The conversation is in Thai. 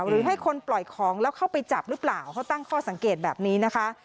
หรือให้คนปล่อยของแล้วเข้าไปจับหรือเปล่าเขาตั้งข้อสังเกตแบบนี้นะคะ